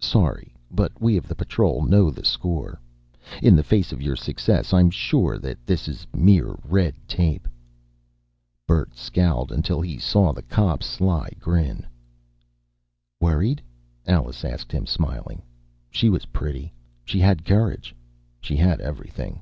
Sorry. But we of the Patrol know the score. In the face of your success I'm sure that this is mere red tape." Bert scowled until he saw the cop's sly grin. "Worried?" Alice asked him, smiling. She was pretty. She had courage. She had everything.